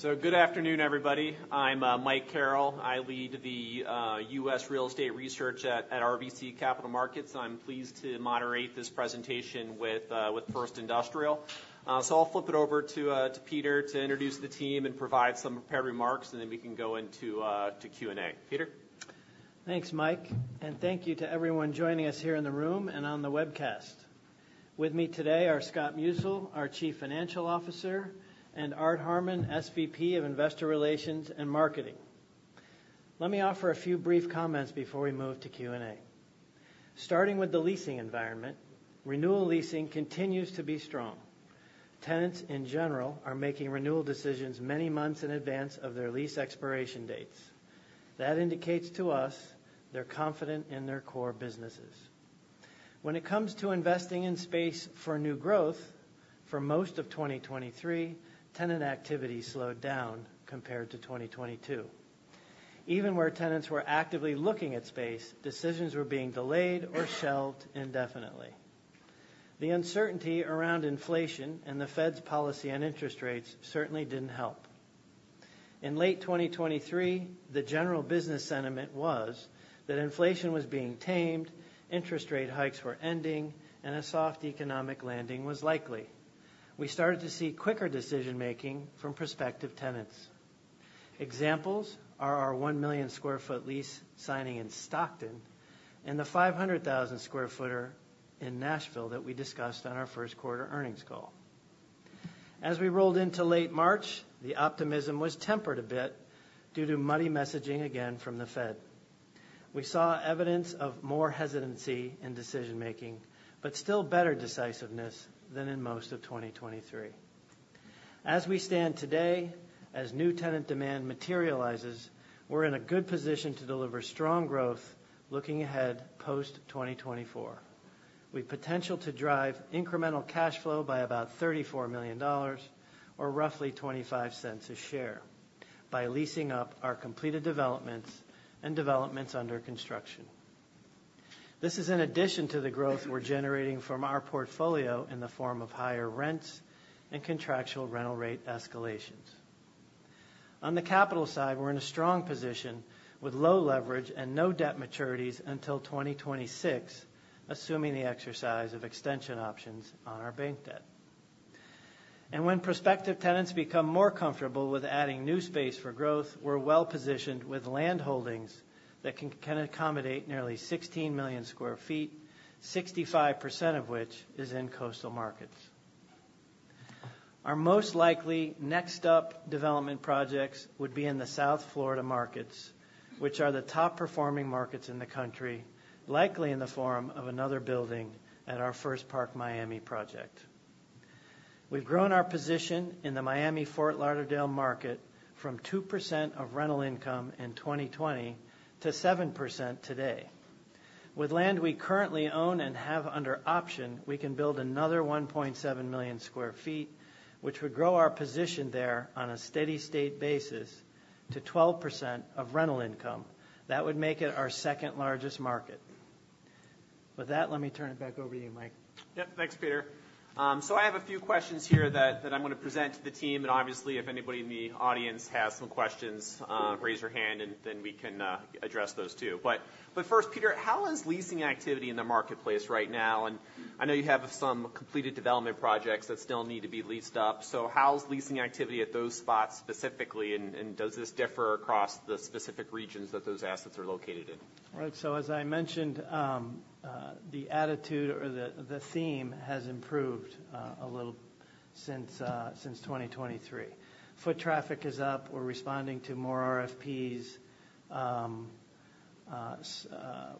So good afternoon, everybody. I'm Mike Carroll. I lead the US Real Estate Research at RBC Capital Markets. I'm pleased to moderate this presentation with First Industrial. So I'll flip it over to Peter to introduce the team and provide some prepared remarks, and then we can go into Q&A. Peter? Thanks, Mike, and thank you to everyone joining us here in the room and on the webcast. With me today are Scott Musil, our Chief Financial Officer, and Art Harman, SVP of Investor Relations and Marketing. Let me offer a few brief comments before we move to Q&A. Starting with the leasing environment, renewal leasing continues to be strong. Tenants, in general, are making renewal decisions many months in advance of their lease expiration dates. That indicates to us they're confident in their core businesses. When it comes to investing in space for new growth, for most of 2023, tenant activity slowed down compared to 2022. Even where tenants were actively looking at space, decisions were being delayed or shelved indefinitely. The uncertainty around inflation and the Fed's policy on interest rates certainly didn't help. In late 2023, the general business sentiment was that inflation was being tamed, interest rate hikes were ending, and a soft economic landing was likely. We started to see quicker decision-making from prospective tenants. Examples are our 1 million sq ft lease signing in Stockton and the 500,000 sq ft in Nashville that we discussed on our first quarter earnings call. As we rolled into late March, the optimism was tempered a bit due to muddy messaging again from the Fed. We saw evidence of more hesitancy in decision-making, but still better decisiveness than in most of 2023. As we stand today, as new tenant demand materializes, we're in a good position to deliver strong growth looking ahead post-2024. We have potential to drive incremental cash flow by about $34 million, or roughly $0.25 a share, by leasing up our completed developments and developments under construction. This is in addition to the growth we're generating from our portfolio in the form of higher rents and contractual rental rate escalations. On the capital side, we're in a strong position with low leverage and no debt maturities until 2026, assuming the exercise of extension options on our bank debt. And when prospective tenants become more comfortable with adding new space for growth, we're well positioned with land holdings that can accommodate nearly 16 million sq ft, 65% of which is in coastal markets. Our most likely next up development projects would be in the South Florida markets, which are the top performing markets in the country, likely in the form of another building at our First Park Miami project. We've grown our position in the Miami-Fort Lauderdale market from 2% of rental income in 2020 to 7% today. With land we currently own and have under option, we can build another 1.7 million sq ft, which would grow our position there on a steady state basis to 12% of rental income. That would make it our second largest market. With that, let me turn it back over to you, Mike. Yep. Thanks, Peter. So I have a few questions here that I'm going to present to the team, and obviously, if anybody in the audience has some questions, raise your hand, and then we can address those, too. But first, Peter, how is leasing activity in the marketplace right now? And I know you have some completed development projects that still need to be leased up, so how's leasing activity at those spots specifically, and does this differ across the specific regions that those assets are located in? Right. So, as I mentioned, the attitude or the, the theme has improved a little since 2023. Foot traffic is up. We're responding to more RFPs.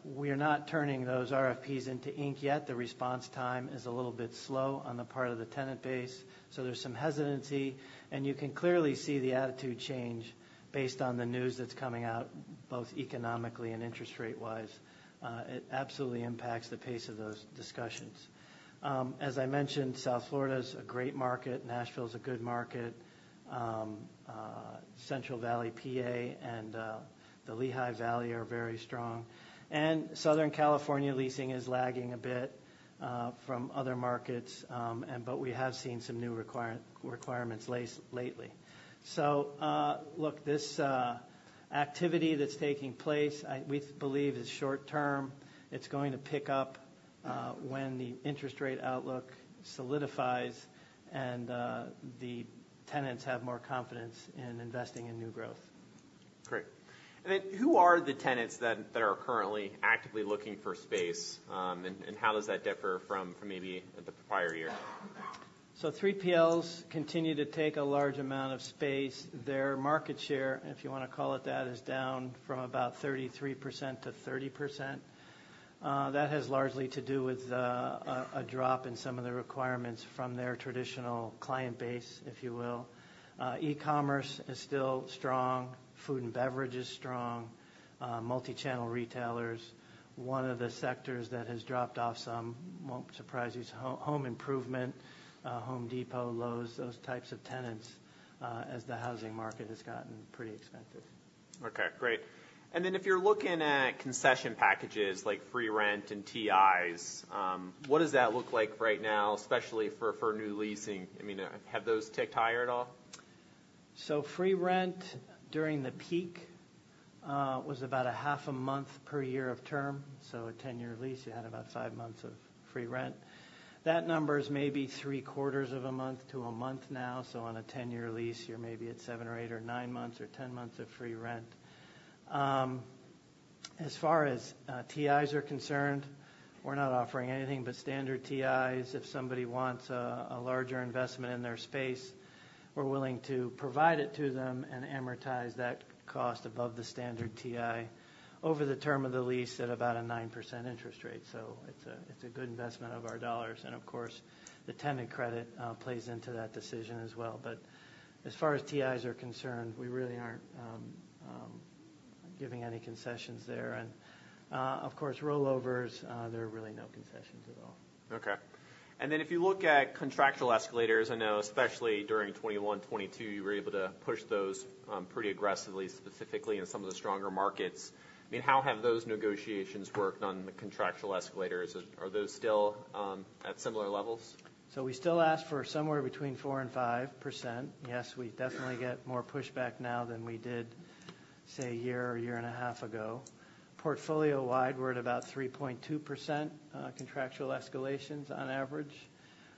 We are not turning those RFPs into ink yet. The response time is a little bit slow on the part of the tenant base, so there's some hesitancy, and you can clearly see the attitude change based on the news that's coming out, both economically and interest rate-wise. It absolutely impacts the pace of those discussions. As I mentioned, South Florida is a great market. Nashville is a good market. Central Valley, PA, and the Lehigh Valley are very strong. And Southern California leasing is lagging a bit from other markets, and but we have seen some new requirements lately. So, look, this activity that's taking place, we believe is short term. It's going to pick up, when the interest rate outlook solidifies and, the tenants have more confidence in investing in new growth. Great. And then, who are the tenants that are currently actively looking for space, and how does that differ from maybe the prior year? So 3PLs continue to take a large amount of space. Their market share, if you want to call it that, is down from about 33% to 30%. That has largely to do with a drop in some of the requirements from their traditional client base, if you will. E-commerce is still strong. Food and beverage is strong, multi-channel retailers. One of the sectors that has dropped off some, won't surprise you, is home improvement, Home Depot, Lowe's, those types of tenants, as the housing market has gotten pretty expensive. Okay, great. And then if you're looking at concession packages, like free rent and TIs, what does that look like right now, especially for new leasing? I mean, have those ticked higher at all? So free rent during the peak was about a half a month per year of term. So a 10-year lease, you had about 5 months of free rent. That number is maybe three-quarters of a month to a month now. So on a 10-year lease, you're maybe at 7 or 8 or 9 months or 10 months of free rent. As far as TIs are concerned, we're not offering anything but standard TIs. If somebody wants a larger investment in their space, we're willing to provide it to them and amortize that cost above the standard TI over the term of the lease at about a 9% interest rate. So it's a good investment of our dollars, and of course, the tenant credit plays into that decision as well. But as far as TIs are concerned, we really aren't giving any concessions there. And, of course, rollovers, there are really no concessions at all. Okay. And then, if you look at contractual escalators, I know, especially during 2021, 2022, you were able to push those pretty aggressively, specifically in some of the stronger markets. I mean, how have those negotiations worked on the contractual escalators? Are those still at similar levels? So we still ask for somewhere between 4% and 5%. Yes, we definitely get more pushback now than we did, say, a year or a year and a half ago. Portfolio-wide, we're at about 3.2%, contractual escalations on average.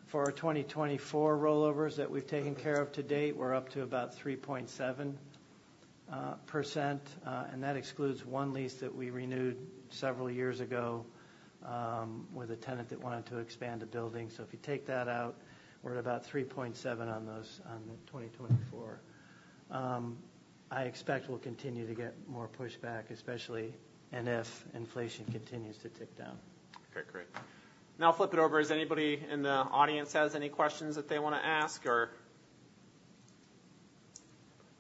For our 2024 rollovers that we've taken care of to date, we're up to about 3.7%, and that excludes one lease that we renewed several years ago, with a tenant that wanted to expand a building. So if you take that out, we're at about 3.7% on those on the 2024. I expect we'll continue to get more pushback, especially, and if inflation continues to tick down. Okay, great. Now I'll flip it over. Does anybody in the audience has any questions that they want to ask or...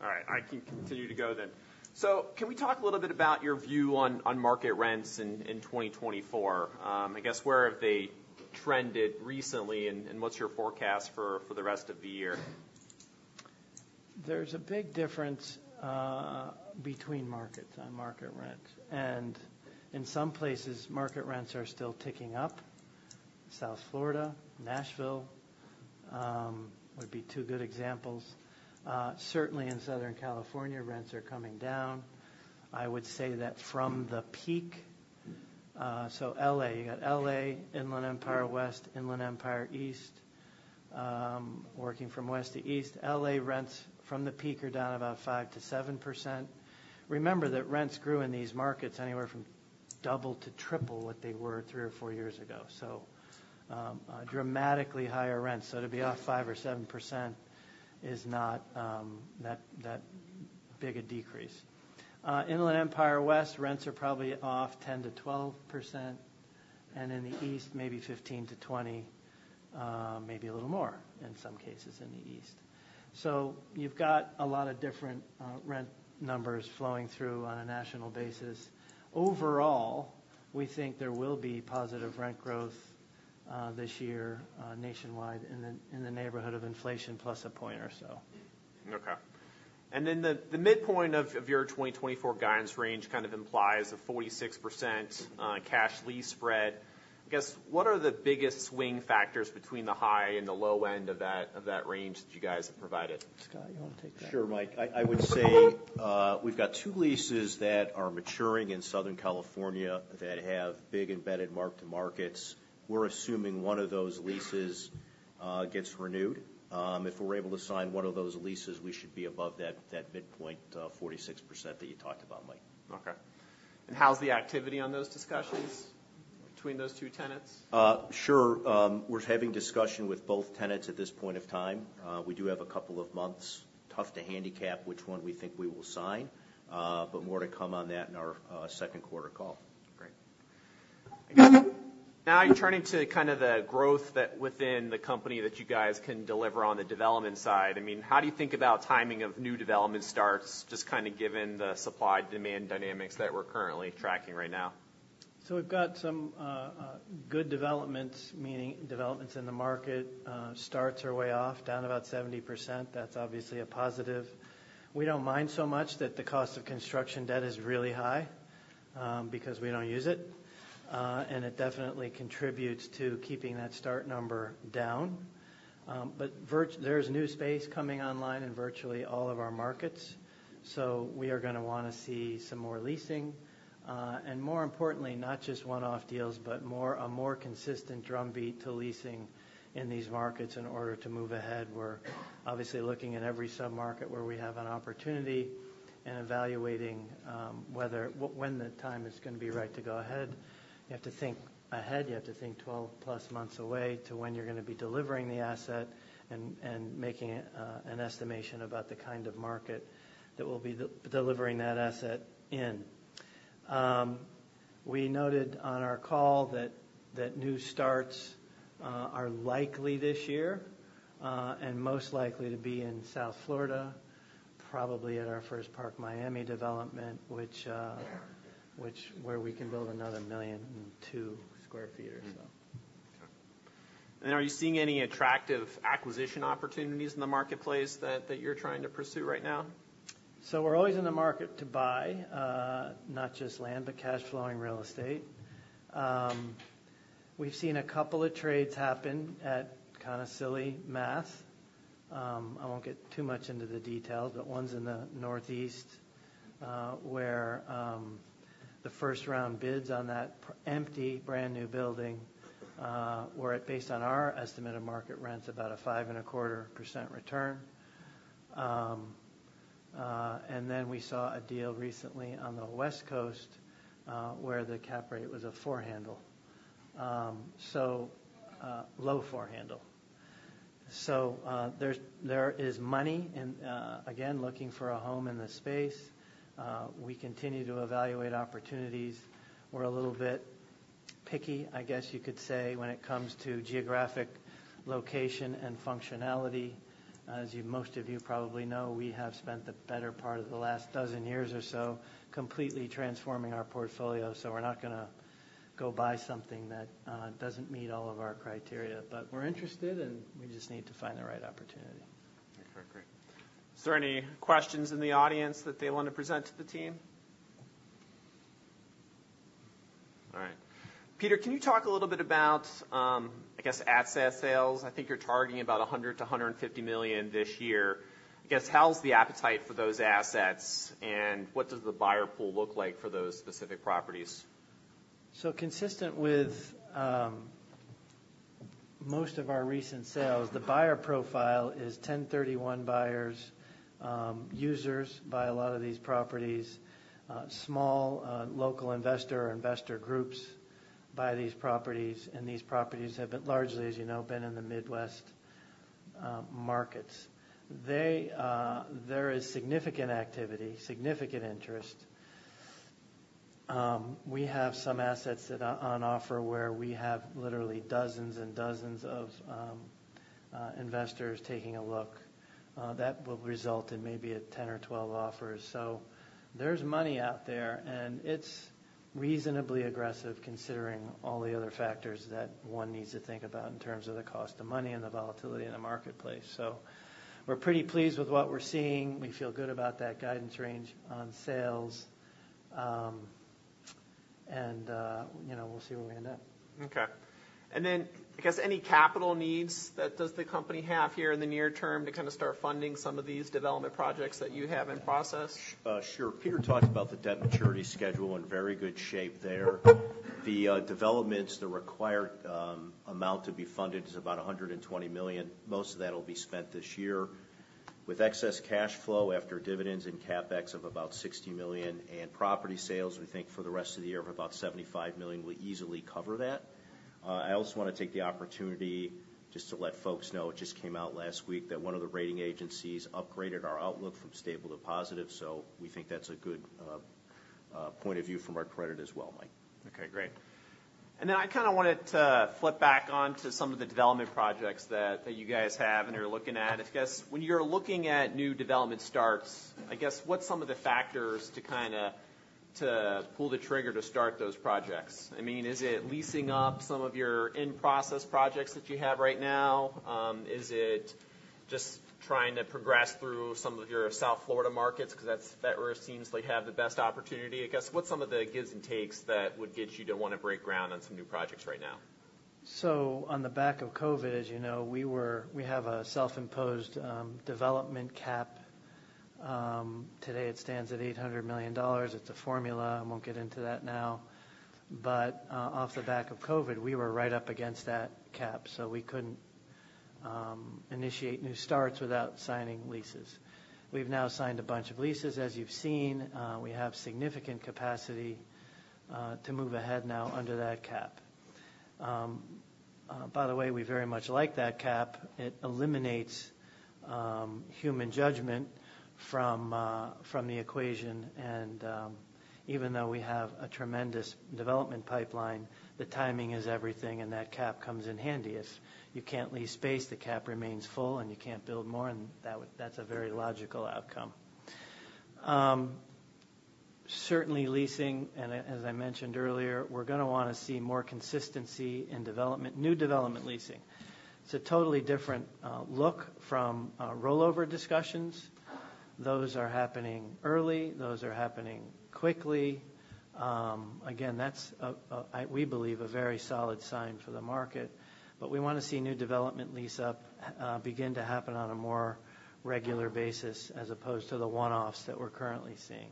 All right, I can continue to go then. So can we talk a little bit about your view on, on market rents in, in 2024? I guess, where have they trended recently, and, and what's your forecast for, for the rest of the year? There's a big difference between markets on market rent. In some places, market rents are still ticking up. South Florida, Nashville, would be two good examples. Certainly in Southern California, rents are coming down. I would say that from the peak, so L.A., you got L.A., Inland Empire West, Inland Empire East. Working from west to east, L.A. rents from the peak are down about 5%-7%. Remember that rents grew in these markets anywhere from double to triple what they were three or four years ago. So, dramatically higher rents, so to be off 5% or 7% is not that big a decrease. Inland Empire West, rents are probably off 10%-12%, and in the east, maybe 15%-20%, maybe a little more, in some cases in the east. So you've got a lot of different rent numbers flowing through on a national basis. Overall, we think there will be positive rent growth this year nationwide in the neighborhood of inflation, plus a point or so. Okay. And then the midpoint of your 2024 guidance range kind of implies a 46% cash lease spread. I guess, what are the biggest swing factors between the high and the low end of that range that you guys have provided? Scott, you want to take that? Sure, Mike. I, I would say we've got two leases that are maturing in Southern California that have big embedded mark-to-markets. We're assuming one of those leases gets renewed. If we're able to sign one of those leases, we should be above that, that midpoint 46% that you talked about, Mike. Okay. How's the activity on those discussions between those two tenants? Sure. We're having discussion with both tenants at this point of time. We do have a couple of months. Tough to handicap which one we think we will sign, but more to come on that in our second quarter call. Great. Now, turning to kind of the growth within the company that you guys can deliver on the development side. I mean, how do you think about timing of new development starts, just kind of given the supply-demand dynamics that we're currently tracking right now? So we've got some good developments, meaning developments in the market. Starts are way off, down about 70%. That's obviously a positive. We don't mind so much that the cost of construction debt is really high, because we don't use it, and it definitely contributes to keeping that start number down. But there's new space coming online in virtually all of our markets, so we are gonna wanna see some more leasing, and more importantly, not just one-off deals, but a more consistent drumbeat to leasing in these markets in order to move ahead. We're obviously looking at every sub-market where we have an opportunity and evaluating whether when the time is gonna be right to go ahead. You have to think ahead, you have to think 12+ months away to when you're gonna be delivering the asset and making an estimation about the kind of market that we'll be delivering that asset in. We noted on our call that new starts are likely this year and most likely to be in South Florida, probably at our First Park Miami development, where we can build another 1.2 million sq ft or so. Are you seeing any attractive acquisition opportunities in the marketplace that you're trying to pursue right now? So we're always in the market to buy, not just land, but cash-flowing real estate. We've seen a couple of trades happen at kind of silly math. I won't get too much into the details, but one's in the Northeast, where the first round bids on that empty, brand-new building were at, based on our estimate of market rents, about a 5.25% return. And then we saw a deal recently on the West Coast, where the cap rate was a four handle. So, low four handle. So, there's money and, again, looking for a home in the space. We continue to evaluate opportunities. We're a little bit picky, I guess you could say, when it comes to geographic location and functionality. As you, most of you probably know, we have spent the better part of the last dozen years or so completely transforming our portfolio, so we're not gonna go buy something that, doesn't meet all of our criteria. But we're interested, and we just need to find the right opportunity. Okay, great. Is there any questions in the audience that they want to present to the team? All right. Peter, can you talk a little bit about, I guess, asset sales? I think you're targeting about $100 million-$150 million this year. I guess, how's the appetite for those assets, and what does the buyer pool look like for those specific properties? So consistent with most of our recent sales, the buyer profile is 1031 buyers. Users buy a lot of these properties. Small, local investor or investor groups buy these properties, and these properties have been largely, as you know, in the Midwest markets. There is significant activity, significant interest. We have some assets that are on offer, where we have literally dozens and dozens of investors taking a look, that will result in maybe a 10 or 12 offers. So there's money out there, and it's reasonably aggressive, considering all the other factors that one needs to think about in terms of the cost of money and the volatility in the marketplace. So we're pretty pleased with what we're seeing. We feel good about that guidance range on sales, and, you know, we'll see where we end up. Okay. Then, I guess, any capital needs that does the company have here in the near term to kind of start funding some of these development projects that you have in process? Sure. Peter talked about the debt maturity schedule in very good shape there. The developments, the required amount to be funded is about $120 million. Most of that will be spent this year. With excess cash flow after dividends and CapEx of about $60 million, and property sales, we think, for the rest of the year of about $75 million, we'll easily cover that. I also want to take the opportunity just to let folks know, it just came out last week, that one of the rating agencies upgraded our outlook from stable to positive, so we think that's a good point of view from our credit as well, Mike. Okay, great. Then I kind of wanted to flip back on to some of the development projects that you guys have and are looking at. I guess, when you're looking at new development starts, I guess, what's some of the factors to kind of, to pull the trigger to start those projects? I mean, is it leasing up some of your in-process projects that you have right now? Is it just trying to progress through some of your South Florida markets because that's where it seems like you have the best opportunity? I guess, what's some of the gives and takes that would get you to want to break ground on some new projects right now? So on the back of COVID, as you know, we have a self-imposed development cap. Today it stands at $800 million. It's a formula, I won't get into that now. But off the back of COVID, we were right up against that cap, so we couldn't initiate new starts without signing leases. We've now signed a bunch of leases, as you've seen. We have significant capacity to move ahead now under that cap. By the way, we very much like that cap. It eliminates human judgment from the equation, and even though we have a tremendous development pipeline, the timing is everything, and that cap comes in handy. If you can't lease space, the cap remains full, and you can't build more, and that's a very logical outcome. Certainly leasing, and as I mentioned earlier, we're gonna wanna see more consistency in development, new development leasing. It's a totally different look from rollover discussions. Those are happening early. Those are happening quickly. Again, that's, we believe, a very solid sign for the market, but we want to see new development lease up begin to happen on a more regular basis, as opposed to the one-offs that we're currently seeing.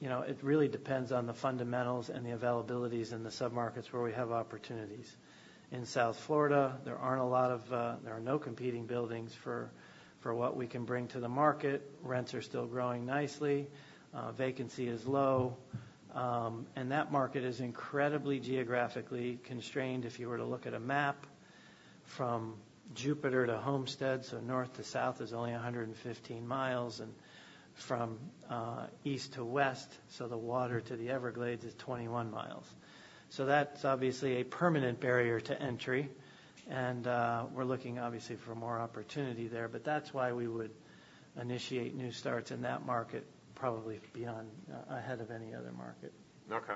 You know, it really depends on the fundamentals and the availabilities in the submarkets where we have opportunities. In South Florida, there are no competing buildings for what we can bring to the market. Rents are still growing nicely, vacancy is low, and that market is incredibly geographically constrained. If you were to look at a map, from Jupiter to Homestead, so north to south is only 115 miles, and from east to west, so the water to the Everglades is 21 miles. So that's obviously a permanent barrier to entry, and we're looking obviously for more opportunity there, but that's why we would initiate new starts in that market, probably beyond ahead of any other market. Okay.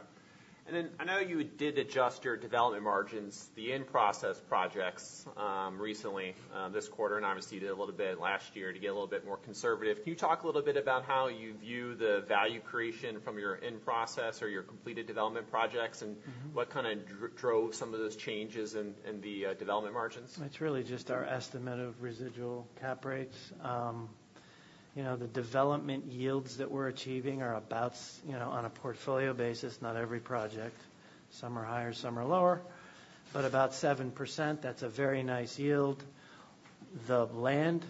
Then I know you did adjust your development margins, the in-process projects, recently, this quarter, and obviously, you did a little bit last year to get a little bit more conservative. Can you talk a little bit about how you view the value creation from your in-process or your completed development projects? Mm-hmm. What kind of drove some of those changes in the development margins? It's really just our estimate of residual cap rates. You know, the development yields that we're achieving are about, you know, on a portfolio basis, not every project, some are higher, some are lower, but about 7%. That's a very nice yield. The land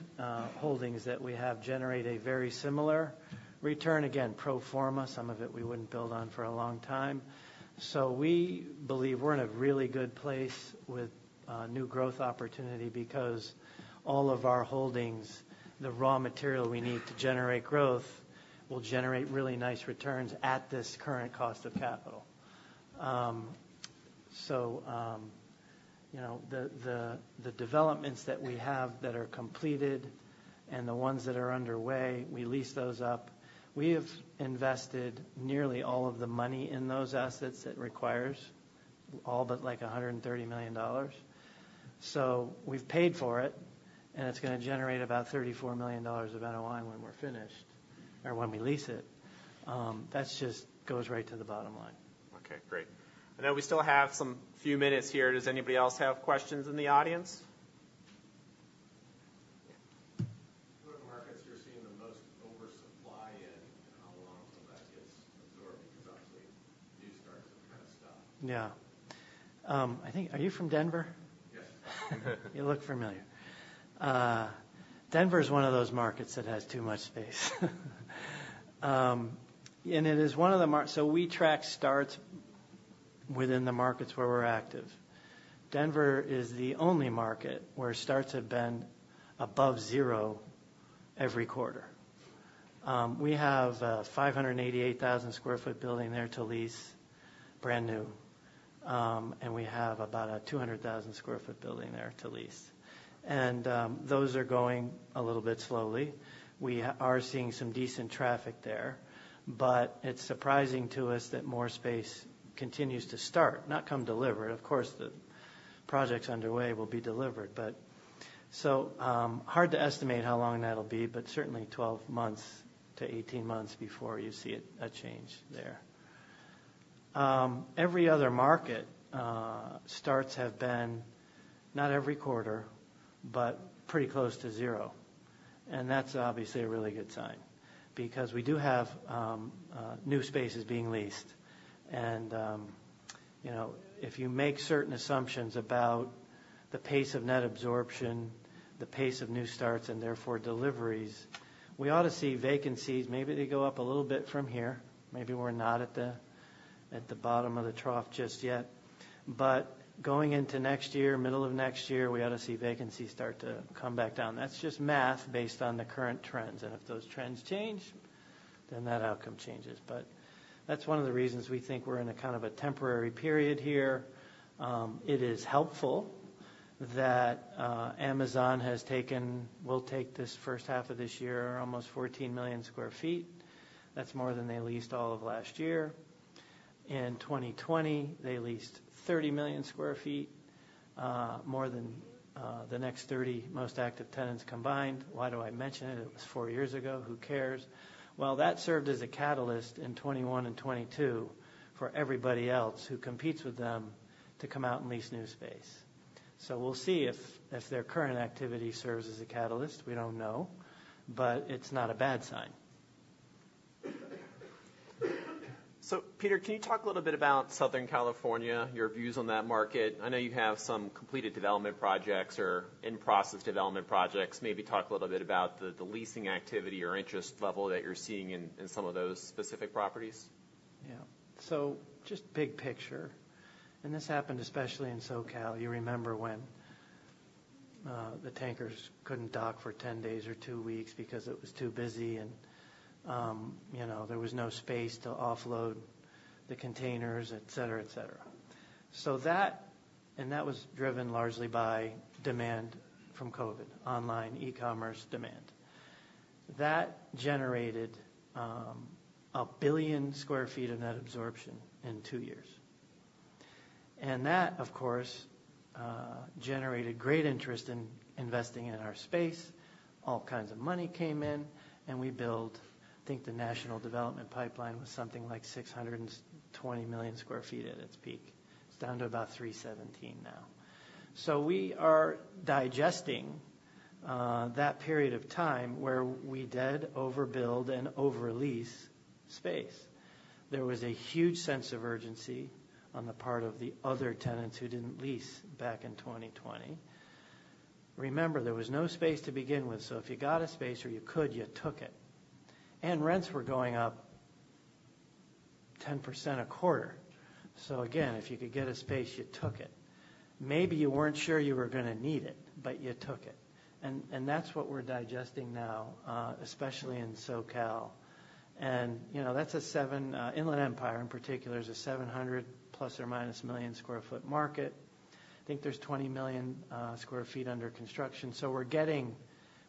holdings that we have generate a very similar return. Again, pro forma, some of it we wouldn't build on for a long time. So we believe we're in a really good place with new growth opportunity because all of our holdings, the raw material we need to generate growth, will generate really nice returns at this current cost of capital. So, you know, the developments that we have that are completed and the ones that are underway, we lease those up. We have invested nearly all of the money in those assets it requires, all but, like, $130 million. So we've paid for it, and it's gonna generate about $34 million of NOI when we're finished or when we lease it. That's just goes right to the bottom line. Okay, great. I know we still have some few minutes here. Does anybody else have questions in the audience? Yeah. What markets you're seeing the most oversupply in, and how long until that gets absorbed? Because obviously, new starts have kind of stopped. Yeah. I think... Are you from Denver? Yes. You look familiar. Denver is one of those markets that has too much space. And it is one of the markets, so we track starts within the markets where we're active. Denver is the only market where starts have been above zero every quarter. We have a 588,000 sq ft building there to lease, brand new. And we have about a 200,000 sq ft building there to lease. And those are going a little bit slowly. We are seeing some decent traffic there, but it's surprising to us that more space continues to start, not come delivered. Of course, the projects underway will be delivered, but... So, hard to estimate how long that'll be, but certainly 12-18 months before you see a change there. Every other market, starts have been, not every quarter, but pretty close to zero, and that's obviously a really good sign because we do have new spaces being leased. And you know, if you make certain assumptions about the pace of net absorption, the pace of new starts, and therefore deliveries, we ought to see vacancies, maybe they go up a little bit from here. Maybe we're not at the bottom of the trough just yet. But going into next year, middle of next year, we ought to see vacancies start to come back down. That's just math based on the current trends, and if those trends change, then that outcome changes. But that's one of the reasons we think we're in a kind of a temporary period here. It is helpful that Amazon has taken—will take this first half of this year, almost 14 million sq ft. That's more than they leased all of last year. In 2020, they leased 30 million sq ft, more than the next 30 most active tenants combined. Why do I mention it? It was four years ago. Who cares? Well, that served as a catalyst in 2021 and 2022 for everybody else who competes with them to come out and lease new space. So we'll see if their current activity serves as a catalyst. We don't know, but it's not a bad sign. So Peter, can you talk a little bit about Southern California, your views on that market? I know you have some completed development projects or in-process development projects. Maybe talk a little bit about the leasing activity or interest level that you're seeing in some of those specific properties. Yeah. So just big picture, and this happened especially in SoCal. You remember when the tankers couldn't dock for 10 days or two weeks because it was too busy and, you know, there was no space to offload the containers, et cetera, et cetera. So that and that was driven largely by demand from COVID, online e-commerce demand. That generated 1 billion sq ft of net absorption in two years. And that, of course, generated great interest in investing in our space. All kinds of money came in, and we built. I think the national development pipeline was something like 620 million sq ft at its peak. It's down to about 317 now. So we are digesting that period of time where we did overbuild and over lease space. There was a huge sense of urgency on the part of the other tenants who didn't lease back in 2020. Remember, there was no space to begin with, so if you got a space or you could, you took it, and rents were going up 10% a quarter. So again, if you could get a space, you took it. Maybe you weren't sure you were gonna need it, but you took it. And that's what we're digesting now, especially in SoCal. And, you know, that's a seven... Inland Empire, in particular, is a 700± million sq ft market. I think there's 20 million sq ft under construction, so we're getting,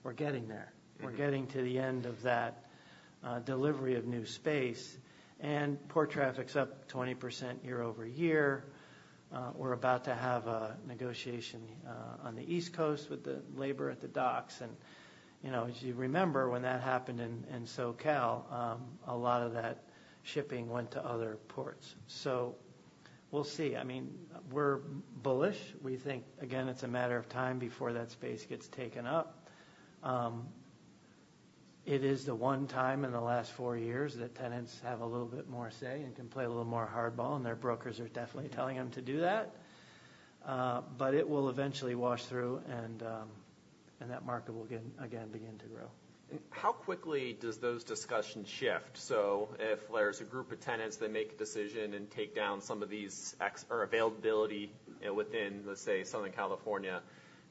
we're getting there. We're getting to the end of that delivery of new space, and port traffic's up 20% year-over-year. We're about to have a negotiation on the East Coast with the labor at the docks, and, you know, as you remember, when that happened in SoCal, a lot of that shipping went to other ports. So we'll see. I mean, we're bullish. We think, again, it's a matter of time before that space gets taken up. It is the one time in the last four years that tenants have a little bit more say and can play a little more hardball, and their brokers are definitely telling them to do that. But it will eventually wash through, and that market will gain again, begin to grow. How quickly does those discussions shift? So if there's a group of tenants that make a decision and take down some of these ex- or availability, within, let's say, Southern California,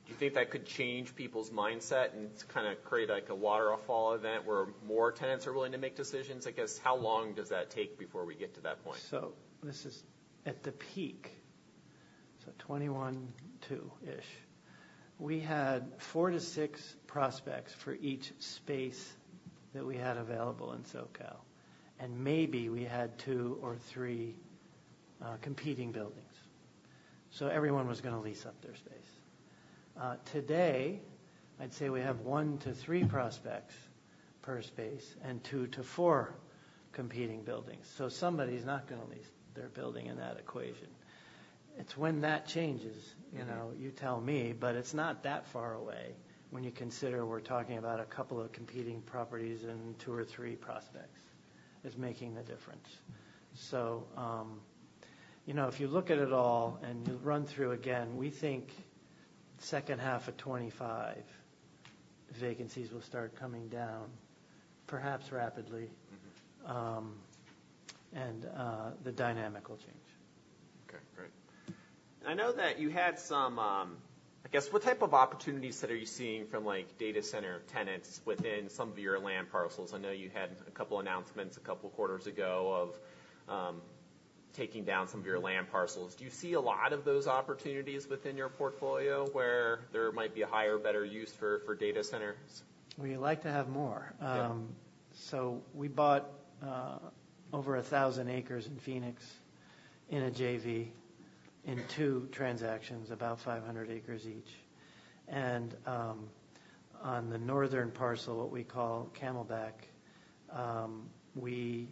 do you think that could change people's mindset and kind of create, like, a waterfall event where more tenants are willing to make decisions? I guess, how long does that take before we get to that point? So this is at the peak, so 2021-2022-ish. We had 4-6 prospects for each space that we had available in SoCal, and maybe we had 2 or 3 competing buildings. So everyone was gonna lease up their space. Today, I'd say we have 1-3 prospects per space and 2-4 competing buildings, so somebody's not gonna lease their building in that equation. It's when that changes, you know, you tell me, but it's not that far away when you consider we're talking about a couple of competing properties and 2 or 3 prospects is making the difference. So, you know, if you look at it all and you run through again, we think second half of 2025, vacancies will start coming down, perhaps rapidly. Mm-hmm. The dynamic will change. Okay, great. I know that you had some, I guess, what type of opportunities that are you seeing from, like, data center tenants within some of your land parcels? I know you had a couple announcements a couple quarters ago of, taking down some of your land parcels. Do you see a lot of those opportunities within your portfolio, where there might be a higher, better use for data centers? We like to have more. Yeah. So we bought over 1,000 acres in Phoenix, in a JV, in two transactions, about 500 acres each. And on the northern parcel, what we call Camelback, we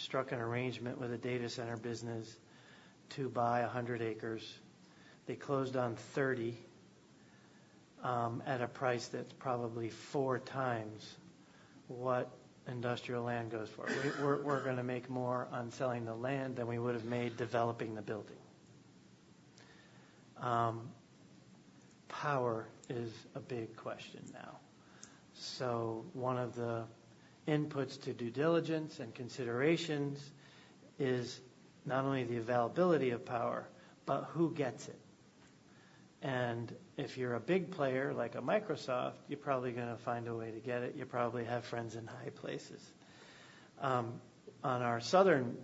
struck an arrangement with a data center business to buy 100 acres. They closed on 30 at a price that's probably four times what industrial land goes for. We're gonna make more on selling the land than we would have made developing the building. Power is a big question now. So one of the inputs to due diligence and considerations is not only the availability of power, but who gets it. And if you're a big player, like a Microsoft, you're probably gonna find a way to get it. You probably have friends in high places. On our southern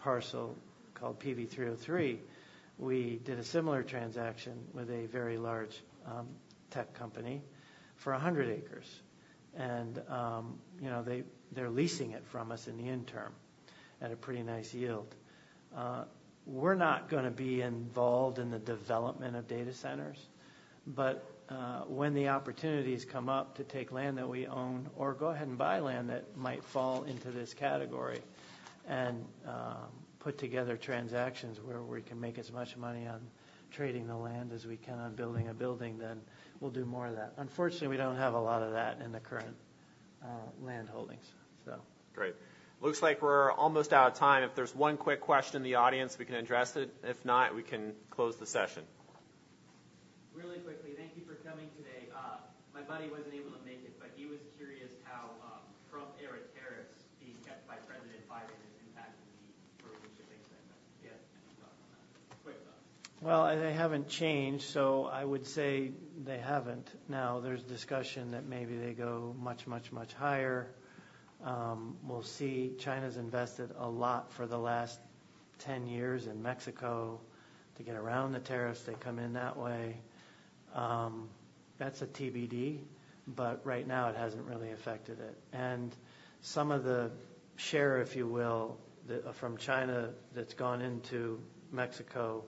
parcel, called PV 303, we did a similar transaction with a very large tech company for 100 acres. You know, they're leasing it from us in the interim at a pretty nice yield. We're not gonna be involved in the development of data centers, but when the opportunities come up to take land that we own or go ahead and buy land that might fall into this category, and put together transactions where we can make as much money on trading the land as we can on building a building, then we'll do more of that. Unfortunately, we don't have a lot of that in the current land holdings, so. Great. Looks like we're almost out of time. If there's one quick question in the audience, we can address it. If not, we can close the session. Really quickly. Thank you for coming today. My buddy wasn't able to make it, but he was curious how Trump era tariffs being kept by President Biden is impacting the global shipping segment. Do you have any thoughts on that? Quick thought. Well, they haven't changed, so I would say they haven't. Now, there's discussion that maybe they go much, much, much higher. We'll see. China's invested a lot for the last 10 years in Mexico to get around the tariffs. They come in that way. That's a TBD, but right now, it hasn't really affected it. And some of the share, if you will, the from China that's gone into Mexico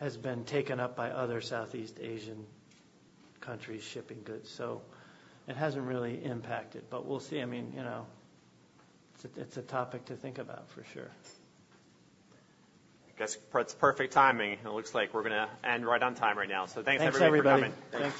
has been taken up by other Southeast Asian countries, shipping goods. So it hasn't really impacted, but we'll see. I mean, you know, it's a, it's a topic to think about for sure. I guess it's perfect timing. It looks like we're gonna end right on time right now. Thanks, everybody, for coming. Thanks, everybody. Thanks.